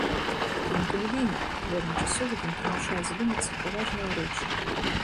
Фільм камедыйны, але адначасова ён прымушае задумацца пра важныя рэчы.